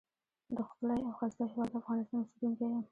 دښکلی او ښایسته هیواد افغانستان اوسیدونکی یم.